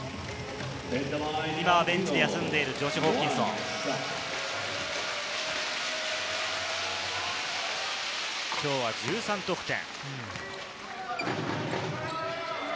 今はベンチで休んでいるジョシュ・ホーキンソン、きょうは１３得点。